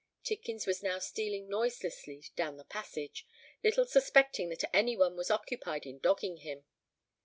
Tidkins was now stealing noiselessly down the passage, little suspecting that any one was occupied in dogging him.